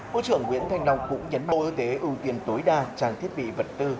bộ trưởng nguyễn thanh long cũng nhấn bộ y tế ưu tiên tối đa trang thiết bị vật tư